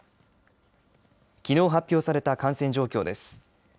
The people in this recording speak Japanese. きのう発表された感染状況です。